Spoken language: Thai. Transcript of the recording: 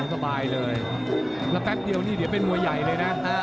สบายเลยแล้วแป๊บเดียวนี่เดี๋ยวเป็นมวยใหญ่เลยนะ